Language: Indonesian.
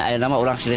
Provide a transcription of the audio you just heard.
kalau ada apa apa